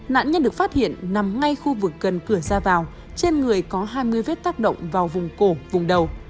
nạn nhân được phát hiện nằm ngay khu vực gần cửa ra vào trên người có hai mươi vết tác động vào vùng cổ vùng đầu